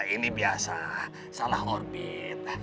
ini biasa salah orbit